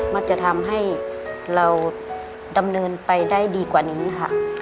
มันจะทำให้เราดำเนินไปได้ดีกว่านี้ค่ะ